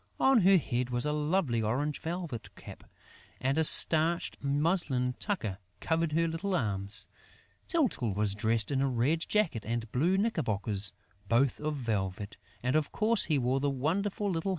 On her head was a lovely orange velvet cap; and a starched muslin tucker covered her little arms. Tyltyl was dressed in a red jacket and blue knickerbockers, both of velvet; and of course he wore the wonderful little hat on his head.